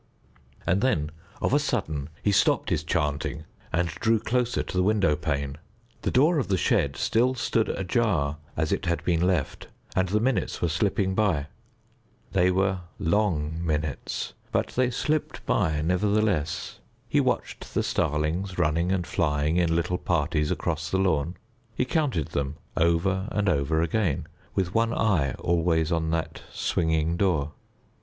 And then of a sudden he stopped his chanting and drew closer to the window pane. The door of the shed still stood ajar as it had been left, and the minutes were slipping by. They were long minutes, but they slipped by nevertheless. He watched the starlings running and flying in little parties across the lawn; he counted them over and over again, with one eye always on that swinging door.